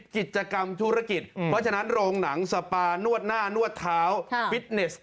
กิจกรรมธุรกิจเพราะฉะนั้นโรงหนังสปานวดหน้านวดเท้าฟิตเนส